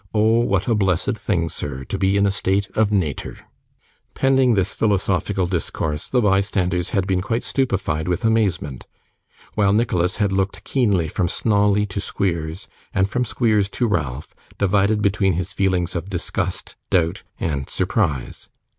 Oh what a blessed thing, sir, to be in a state of natur!' Pending this philosophical discourse, the bystanders had been quite stupefied with amazement, while Nicholas had looked keenly from Snawley to Squeers, and from Squeers to Ralph, divided between his feelings of disgust, doubt, and surprise.